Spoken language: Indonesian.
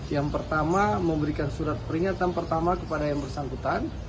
yang pertama memberikan surat peringatan pertama kepada yang bersangkutan